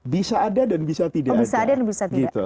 bisa ada dan bisa tidak ada